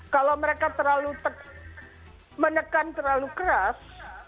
kalau mereka terlalu menekan terlalu keras